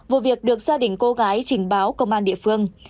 vụ việc được gia đình cô gái trình báo công an địa phương